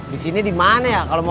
disini dimana ya